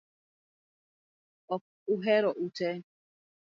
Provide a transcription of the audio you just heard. Ok uhera ute